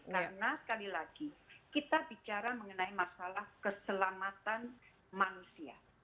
karena sekali lagi kita bicara mengenai masalah keselamatan manusia